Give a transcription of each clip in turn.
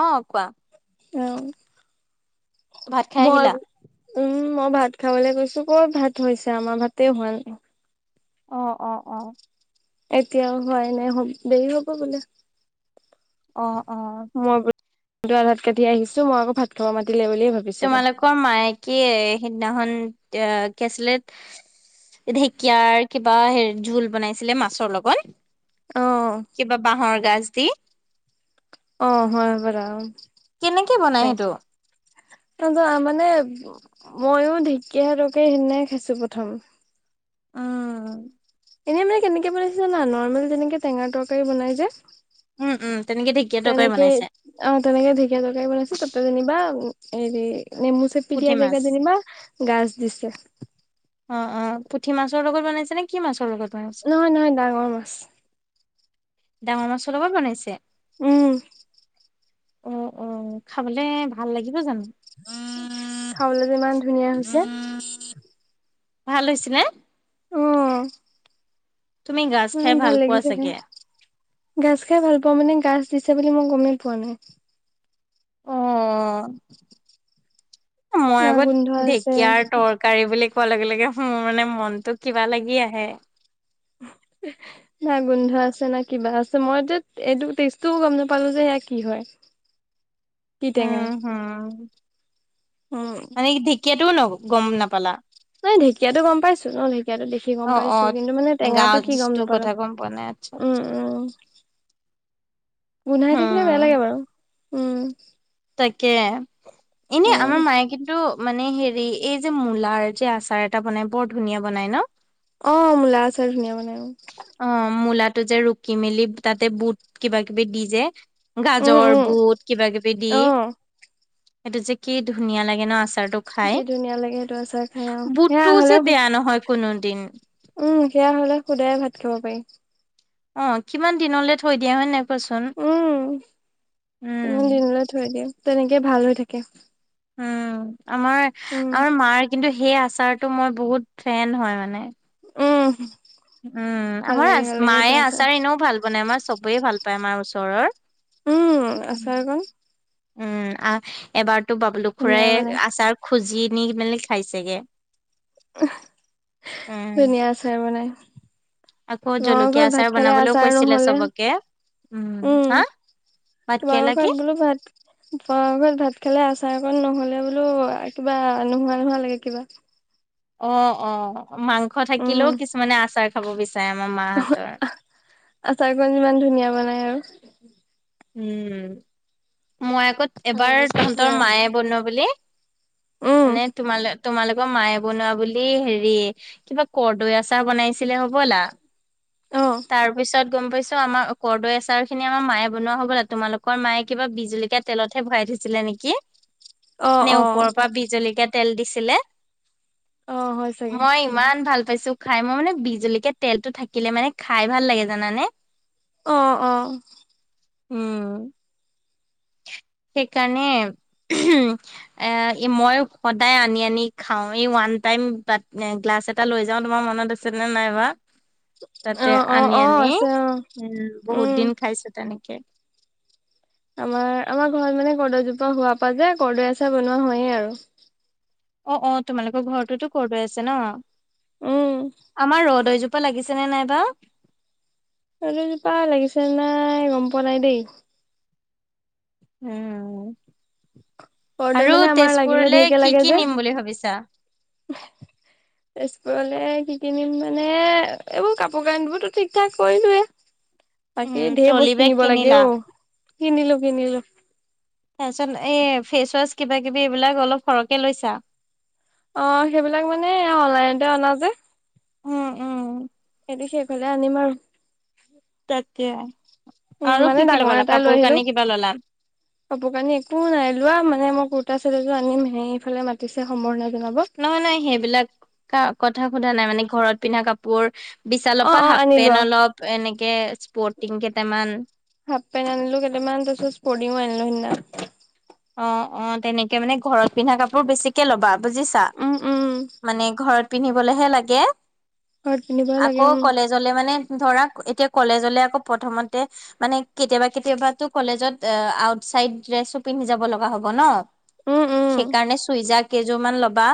অ' কোৱা। আহ ভাত খাই মই আহিলা? উম, মই ভাত খাবলৈ গৈছো ক'ত ভাত হৈছে আমাৰ ভাতেই হোৱা নাই। অ', অ', অ', এতিয়াও হোৱাই নাই হব দেৰি হ'ব বোলে। অ', অ', মই [unintelligible] আধাত কাটি আহিছোঁ মই আকৌ ভাত খাব মাতিলে বুলিয়ে ভাবো তোমালোকৰ মায়ে কি সেইদিনাখন কেচলেট এ ঢেকীয়াৰ কিবা হে জোল বনাইছিলে মাছৰ লগত অ কিবা বাঁহৰ গাজ দি। অ, হয় হবৰা হয়। কেনেকে বনাই সেইটো? [unintelligible] আহ মানে মইও ঢেকীয়া হেঁতুকে সেইদিনাই খাইছো প্ৰথম। উম, এনেই মানে কেনেকে বনাইছে জানা নৰ্মেল যেনেকে টেঙা তৰকাৰী বনাই যে। উম তেনেকে ঢেকীয়া তৰকাৰী তেনেকে বনাইছে অ, তেনেকে ঢেকীয়া তৰকাৰী বনাইছোঁ তাতে যেনিবা হেৰি নেমু চেপি পুঠি মাছ। পিকিয়াজেগে যেনিবা গাজ দিছে। অ', অ', পুঠি মাছৰ লগত বনাইছে নে কি মাছৰ লগত বনাইছে? নহয়- নহয় ডাঙৰ মাছ। ডাঙৰ মাছৰ লগত বনাইছে? উম, উম- উম খাবলে ভাল লাগিব জানো? খাবলে যে ইমান ধুনীয়া হৈছে। ভাল হৈছে নে? উম, তুমি গাজ খাই ইমান ভাল পোৱা লাগিছে চাগে? খাই গাজ খাই ভাল পাওঁ মানে গাজ দিছে বুলি মই গমেই পোৱা নাই। অ, মই না আগত গোন্ধ আছে ঢেকীয়াৰ তৰকা তৰকাৰী বুলি কোৱাৰ লগে- লগে মোৰ মানে মনটো কিবা লাগি আহে। [unintelligible] না গোন্ধ আছে না কিবা আছে মইটোত এইটো টেষ্টটোও গম নাপালোঁ যে এইয়া কি হয়? কি টেঙা? উম হুম উম, কেতুওঁ ন' গম নাপালা? [unintelligible] ঢেকীয়াতো গম পাইছোঁ ন'ঢেকীয়াতো দেখি গম অ পাইছোঁ কিন্তু মানে টেঙাটো কি গম নাপালো। বনাই আচে। উম-উম। গোন্ধাই থাকিলে বেয়া হম লাগে বাৰু উম, তাকে এনে উম আমাৰ মায়ে কিন্তু মানে হেৰি এই যে মূলাৰ যে আচাৰ এটা বনাই বৰ ধুনীয়া বনাই ন'? অ, মূলা আচাৰ ধুনীয়া বনাই। অ, মূলাটো যে ৰুকি মেলি তাতে বুট কিবা- কিবি দি যে। উম গাজৰ উম বুট কিবা কিবি দি অ সেইটো যে কি ধুনীয়া লাগে ন' আচা তাৰটো খাই কি ধুনীয়া লাগে সেইটো আচাৰ খাই অ সেয়া বুটটো যে হ'লেও বেয়া নহয় কোনোদিন। উম, সেয়া হলে সুদায়ে ভাত খাব পাৰি। অ, কিমান দিনলে থৈ দিয়ে হয় নে নাই? কোৱাচোন উম, উম ইমান দিনলৈ থৈ দিয়ে তেনেকে ভাল হৈ থাকে। উম, আমাৰ উম -আমাৰ মাৰ কিন্তু সেই আচাৰতটো মই বহুত ফ্ৰেন হয় মানে। উম, উম, ভাল আমাৰ লাগে ভাল লাগে এইটো মায়ে আচাৰ এনেও ভাল বনাই আমাৰ চবেই ভাল পায় আমাৰ ওচৰৰ। উম আচাৰ কন উম -উম এবাৰতো বাবলু ধুনীয়া বনাই খুৰাই আচাৰ খুজি নি মেলি খাইছেগে। [unintelligible] উম ধুনীয়া আচাৰ বনাই। আকৌ ময় জলকীয়া ঘৰত আচাৰ ভাত খালে বনাবলৈও আচাৰ কৈছিলে নহ'লে চবকে উম, ভাত কেৰেলা তোমালোকৰ কি ঘৰত বোলো ভাত তোমালোকৰ ঘৰত ভাত খালে আচাৰ অকণ নহ'লে বোলো কিবা নোহোৱা- নোহোৱা লাগে কিবা অ', অ', মাংস উম থাকিলেও কিছুমানে আচাৰ খাব বিচাৰে আমাৰ মাহঁতৰ। আচাৰ কণ যে ইমান ধুনীয়া বনাই আৰু। উম, মই আকৌ খাব এবাৰ বিচাৰিবই তহঁতৰ আৰু মায়ে বনোৱা বুলি উম নে তোমাল -তোমালোকৰ মায়ে বনোৱা বুলি হেৰি কিবা কৰ্দৈ আচাৰ বনাইছিলে হ'বলা। অ তাৰ পিছত গম পাইছোঁ আমাৰ কৰ্দৈ আচাৰ সেইখিনি আমাৰ মায়ে বনোৱা হ'বলা তোমালোকৰ মায়ে কিবা বিজলকীয়া তেলতহে ভৰাই থৈছিলে নেকি? অ নে অ ওপৰৰ পৰা বিজলকীয়া তেল দিছিলে? অ হয় চাগে মই ইমান ভাল পাইছোঁ খাই মই মানে বিজলকীয়া তেলটো থাকিলে মানে খায় ভাল লাগে জানানে? অ', অ', উম, সেইকাৰণে [unintelligible] এ মই সদায় আনি -আনি খাওঁ এই ওৱান টাইম বা গ্লাছ এ এটা লৈ যাওঁ তোমাৰ মনত আছে নে নাই বা? [inaudible] অ তাতে অ আনি অ -আনি আছে অ উম, বহুত উম দিন খাইছোঁ তেনেকে। আমাৰ -আমাৰ ঘৰত মানে কৰ্দৈজোপা হোৱাৰ পা যে কৰ্দৈ আচাৰ বনোৱা হয়য়ে আৰু। অ', অ', তোমালোকৰ ঘৰটোতো কৰ্দৈ আছে না উম আমাৰ ৰদৈ জোপ পা লাগিছে নে নাই বা? ৰদৈজোপা লাগিছে নে নাই গম পোৱা নাই দেই। উম, কৰ্দৈ আৰু মানে আমাৰ লাগিলে তেজপুৰলে ঢেৰকে কি লাগে -কি যে নিম বুলি ভাবিছা? [unintelligible] তেজপুৰলে কি- কি নিম মানে এইবোৰ কাপোৰ কানিবোৰতো ঠিক ঠাক কৰিলোয়ে। উম বাকী ঢেৰ ট্ৰলি বস্তু বেগ নিব লাগে কিনিলা অ, কিনিলোঁ- কিনিলোঁ তাৰছত এই ফেচ ৱাচ কিবা- কিবি এইবিলাক অলপ সৰহকে লৈছা? অ, সেইবিলাক মানে অনলাইনতে অনা যে। হম, উম, সেইটো সেইফালে আনিম আৰু। তাকে উম আৰু মানে কি -কি ডাঙৰ লগালা এটাই লৈ কাপোৰ- আহিলো কানি কি'বা ল'লা? [inaudible] কাপোৰ কানি একো নাই লোৱা মানে মই কুৰ্তা ছেট এযোৰ আনিম হে এইফালে মাতিছেসম্বৰ্ধনা জনাব। নহয় নাই সেইবিলাক কথা সোধা নাই মানে ঘৰত পিন্ধা কাপোৰ অ বিশালৰ পা অ হাফ আনিলো পেণ্ট আৰু অলপ এনেকে স্পৰ্টিং কেইটামান হাফ পেন আনিলো কেইটামান তাইচতো স্পটিংও আনিলো সেইদিনা। অ', অ ', তেনেকে মানে ঘৰত পিন্ধা কাপোৰ বেছিক কে ল'বা বুজিছা উম উম মানে ঘৰত পিন্ধিবলেহে লাগে। ঘৰত পিন্ধিবই লাগে আকৌ উম কলেজলে মানে ধৰা এতিয়া কলেজলে আকৌ প্ৰথমতে মানে কেতিয়াবা- কেতিয়াবা কলেজত আউটচাইড ড্ৰেছো পিন্ধি যাব লগা হব উম উম ন'সেইকাৰণে চুইজাৰ কেইযোৰ মান ল'বা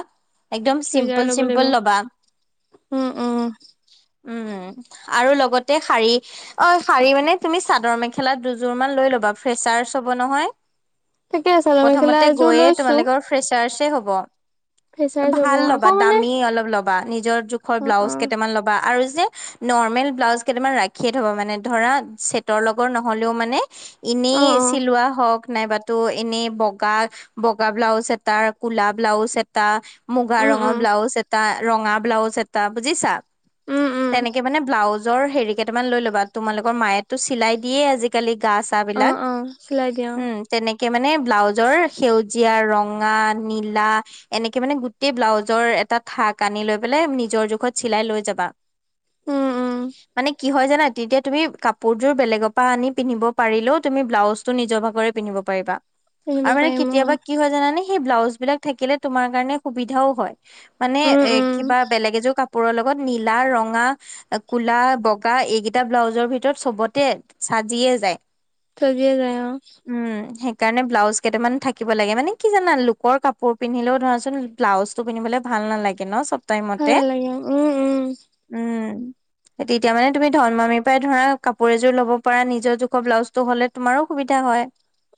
একদম চুইজাৰ চিম্পল- ল'ব লাগিব চিম্পল ল'বা উম উম উম, আৰু লগতে শাৰী অই, শাৰী মানে তুমি চাদৰ -মেখেলা দুযোৰ মান লৈ ল'বা ফ্ৰেচাৰচ হ'ব নহয়। তাকে চাদৰ মেখেলা প্ৰথমতে এযোৰ গৈয়ে লৈছো তোমালোকৰ ফ্ৰেচাৰ্চচে হ'ব। ফেচাৰ্চ হ'ব ভাল ল'বা আকৌ মানে দামী অলপ ল'বা নিজৰ জোখৰ অ অ ব্লাউজ কেইটামান ল'বা আৰু যে নৰ্মেল ব্লাউজ কেইটামান ৰাখিয়ে থ'বা মানে ধৰা ছেটৰ লগৰ নহ'লেও মানে অ এনেই অ চিলোৱা হওঁক নাইবা ত' এনেই বগা -বগা ব্লাউজ এটা, কোলা ব্লাউজ এটা মুগা উম ৰঙৰ উম ব্লাউজ এটা ৰঙা ব্লাউজ এটা বুজিছা উম উম তেনেকে মানে ব্লাউজৰ হেৰি কেইটামান লৈ ল'বা তোমালোকৰ মায়োতো চিলাই দিয়ে আজি কালি গা চা অ বিলাক অ চিলাই দিয়া অ উম তেনেকে মানে ব্লাউজৰ সেউজীয়া ৰঙা নীলা এনেকে মানে গোটেই ব্লাউজৰ এটা থাক আনি লৈ পেলাই নিজৰ জোখত চিলাই লৈ যাবা উম উম মানে কি হয় জানা তেতিয়া তুমি কা পোৰযোৰ বেলেগৰ পৰা আনি পিন্ধিব পাৰিলেও তুমি ব্লাউজটো নিজৰ ভাগৰে পিন্ধিব পাৰিবা পিন্ধিব আৰু এনে পাৰিম অ কেতিয়াবা কি হয় জানানে সেই ব্লাউজ বিলাক থাকিলে তোমাৰ কাৰণে সুবিধাও হয় মানে উম এ উম কিবা বেলেগ এযোৰ কাপোৰৰ লগত নীলা ৰঙা কোলা বগা এইকেইটা ব্লাউজৰ ভিতৰত চবতে চাজিয়ে যায় চাজিয়ে যাই অ উম সেইকাৰণে ব্লাউজ কেইটামান থাকিব লাগে মানে কি জানা লোকৰ কাপোৰ পিন্ধিলেও ধৰাচোন ব্লাউজটো পিন্ধিবলে ভাল নালাগে ন চব ভাল টাইমতে নালাগে উম উম উম তেতিয়া মানে তুমি ধন মামিৰ পৰাই ধৰা কাপোৰ এযোৰ লব পৰা নিজৰ জোখৰ ব্লাউজটো হলে তোমাৰো সুবিধা হয়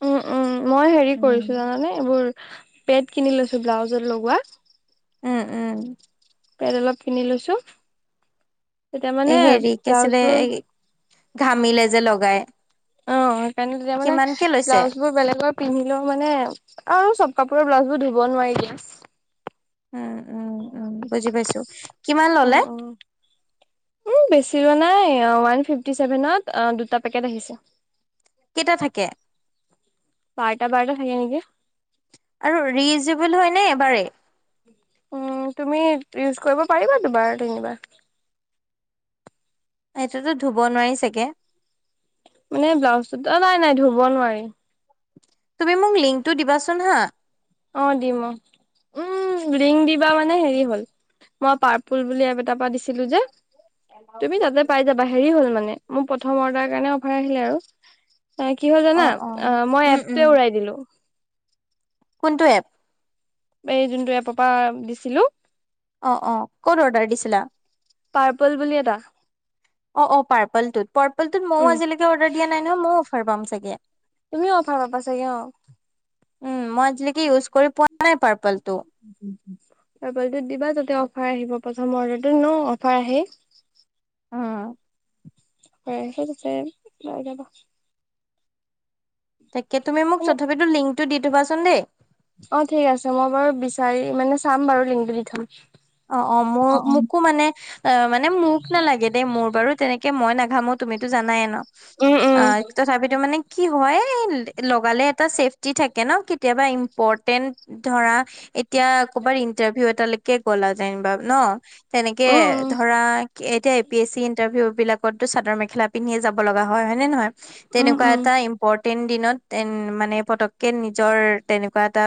উম উম মই হেৰি কৰিছো উম, জানানে এইবোৰ পেড কিনি লৈছো ব্লাউজত লগোৱা উম উম পেড অলপ কিনি লৈছো তেতিয়া মানে এই হেৰি কি ব্লাউজ আছিলে বোৰ এই ঘামিলে যে লগাই অ সেইকাৰণে তেতিয়া মানে কিমানকে লৈছে ব্লাউজ বোৰ বেলেগৰ পিন্ধিলোও মানে আৰু চব কাপোৰৰ ব্লাউজ বোৰ ধুব নোৱাৰি দিয়া উম উম উম বুজি পাইছো কিমান ললে উ বেছি লোৱা নাই ওৱান ফিফটি চেভেনত আ দুটা পেকেট আহিছে। কেইটা থাকে। বাৰটা বাৰটা থাকে নেকি আৰু ৰিউজেবল হয়নে এবাৰেই উ তুমি ইউজ কৰিব পাৰিবা দুবাৰ তিনিবাৰ সেইটোতো ধুব নোৱাৰি চাগে মানে ব্লাউজ টোত অ নাই নাই ধুব নোৱাৰি তুমি মোক লিংকটো দিবাচোন হা অ দিম অ, উম লিং দিবা মানে হেৰি হ'ল মই পাৰ্পুল বুলি এবটাৰ পৰা দিছি ছিলো যে তুমি তাতে পাই যাবা হেৰি হ'ল মানে, মোৰ প্ৰথম অৰ্ডাৰ কাৰণে অফাৰ আহিলে আৰু অ কি হ'ল জানা অ মই উম উম এপটোৱে উৰাই দিলো। কোনটো এপ, এই যোনটো এপপা দিছিলো। অ অ ক'ত অৰ্ডাৰ দিছিলা? পাৰ্পল বুলি এটা। অ অ পাৰপল টোত পাৰপলটোত মইয়ো উম আজি লৈকে অৰ্ডাৰ দিয়া নাই নহয়। মইয়ো অফাৰ পাম চাগে। তুমিও অফাৰ পাবা চাগে অ। উম মই আজিলৈকে ইউজ কৰি পোৱা নাই পাৰ্পলটো পাৰপলটোত দিবা তাতে অফাৰ আহিব প্ৰথম অৰ্ডাৰটোত এনেও অফাৰ আহেই। উ [unintelligible] তাকে তুমি মোক মানে তথাপিতো লিংকটো দি থবাচোন দেই। অ ঠিক আছে মই বাৰু বিচাৰি মানে চাম বাৰু লিংকটো দি থম। অ অ মোৰ মোকো মানে অ মানে মোক নালাগে দেই মোৰ বাৰু তেনেকে মই নাঘামো তুমিতো জানাই ন। উম অ উম তথাপিতো মানে কি হয় লগালে এটা চেফটি থাকে ন কেতিয়াবা ইম্পৰ্টেন্ট ধৰা এতিয়া কৰবাৰ ইন্টাৰভিউ এটালৈকে গলা যায় ন তেনেকে উম উম ধৰা এতিয়া এ পি এছি ইন্টাৰভিউ বিলাক টো চাদৰ মেখেলা পিন্ধে যাব লগা হয় নে নহয় উম তেনেকোৱা উম এটা ম্পৰ্টেণ্ট দিনত এণ্ড মানে পতককে নিজৰ তেনেকোৱা এটা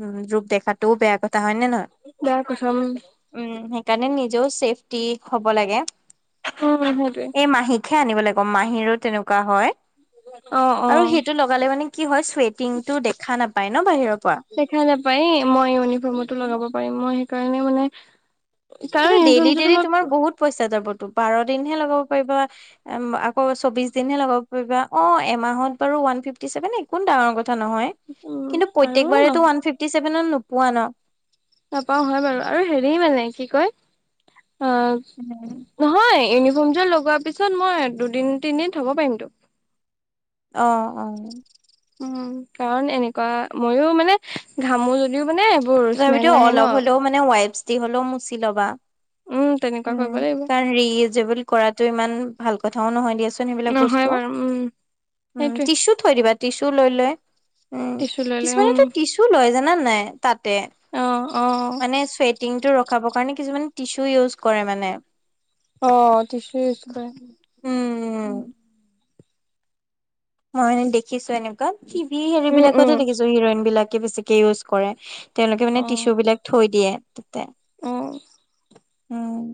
উম ৰোগ দেখাটোও বেয়া কথা হয় নে নহয়। মা কচম উম সেইকাৰণে নিজেও ছেফটি হব লাগে উম সেইটোৱে এ মাহী কহে আনিবলে কম মাহীৰো তেনেকোৱা হয় অ আৰু অ সেইটো লগালে মানে কি হয় টিংটো দেখা নাপায় ন বাহিৰৰ পৰা। দেখা নাপায়ে মই ইউনিফৰ্মতো লগাব পাৰিম মই সেইকাৰণে মানে কিন্তু কাৰণ ডেইলি যোনটো ডেইলি তোমাৰ তোমাক বহুত পইচা যাবতো বাৰ দিনহে লগাব পাৰিবা। আকৌ চৌবিশ দিন হে লগাব পাৰিবা অ এমাহত বাৰু ওৱান ফিফটি ছেভেন একো ডাঙৰ কথা নহয়। উম কিন্তু আৰু ন প্ৰত্যেকবাৰেতো ওৱান ফিফটি ছেভেনত নোপোৱা ন নাপাওঁ হয় বাৰু আৰু হেৰি মানে কি কয় অ উম নহয় ইউনিফৰ্ম যোৰ লগোৱাৰ পিছত মই দুদিন তিনদিন থব পাৰিমতো। অ অ, উম কাৰণ এনেকোৱা মইয়ো মানে ঘামোলে ও মানে এইবোৰ তথাপিতো স্মেল নাহে অলপ ন। হ'লেও মানে ওৱাইপছ দি হলো মছি লবা উম তেনেকুৱা উম কৰিব লাগিব কাৰণ ৰিইজেবোল কৰাটো ইমান ভাল কথাও নহয় দিয়াচোন সেইবিলাক নহয় বস্তু বাৰু উম উম সেইটোৱে টিচু থৈ দিবা টিচু লৈ লয় উম টিচু লৈ লৈ উম কিছুমানেতো টিচু টো লয় জানা নাই তাতে অ অ মানে চোৱেত টিঙতো ৰখাবৰ কাৰণে কিছুমানে টিচু ইউজ কৰে মানে। অ টিচু ইউজ কৰে। উম উম মই মানে দেখিছো এনেকোৱা টিভি হেৰি উম উম বিলাকতে দেখিছো হিৰইন বিলাকে বেছিকে ইউজ কৰে। তেওঁলোকে মানে অ টিচুবিলাক থৈ দিয়ে তাতে। অ উম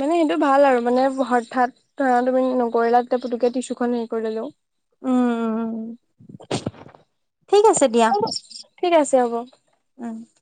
মানে সেইটো ভাল আৰু মানে হঠাৎ ধৰা তুমি নকৰিলা তেতিয়া পুটুকে টিছুখন হেৰি কৰি ললো উম, উম, ঠিক আছে দিয়া হ ঠিক আছে হ'ব। উম